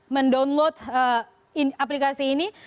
mendownload aplikasi ini